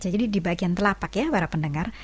jadi di bagian telapak ya para pendengar